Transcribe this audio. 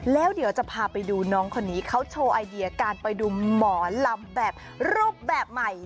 แล้วเดี๋ยวจะพาไปดูน้องคนนี้เขาโชว์ไอเดียการไปดูหมอลำแบบรูปแบบใหม่